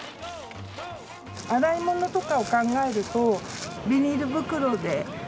洗い物とかを考えるとビニール袋で。